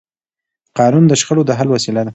قانون د شخړو د حل وسیله ده